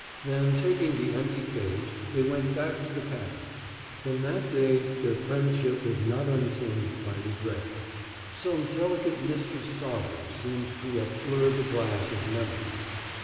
Then, taking the empty cage, they went back to the cabin. From that day their friendship was not untinged by regret; some delicate mist of sorrow seemed to have blurred the glass of memory.